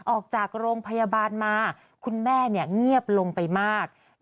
ออกจากโรงพยาบาลมาคุณแม่เงียบลงไปมาก